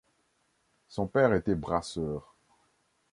Son père était brasseur.